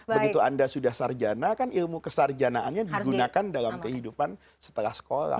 begitu anda sudah sarjana kan ilmu kesarjanaannya digunakan dalam kehidupan setelah sekolah